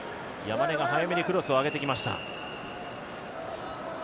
山根が早めにクロスを上げてきました。